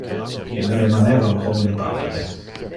Ille remaneva un homine paupere.